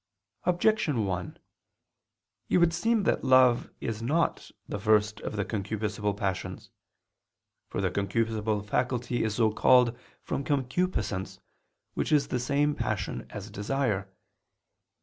Objection 1: It would seem that love is not the first of the concupiscible passions. For the concupiscible faculty is so called from concupiscence, which is the same passion as desire.